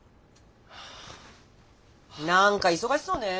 なんか忙しそうね。